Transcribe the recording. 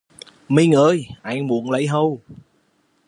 Mình ơi, anh muốn lấy hầu